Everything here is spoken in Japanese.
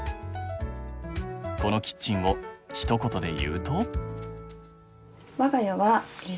このキッチンをひと言で言うと？